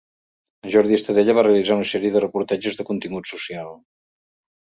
Amb Jordi Estadella va realitzar una sèrie de reportatges de contingut social.